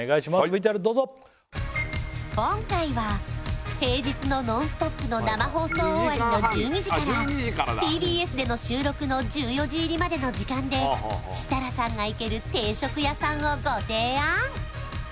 ＶＴＲどうぞ今回は平日の「ノンストップ！」の生放送終わりの１２時からＴＢＳでの収録の１４時入りまでの時間で設楽さんが行ける定食屋さんをご提案